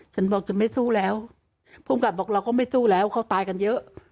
ฉันบอกฉันไม่สู้แล้วภูมิกับบอกเราก็ไม่สู้แล้วเขาตายกันเยอะ